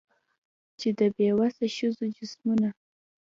چي د بې وسه ښځو جسمونه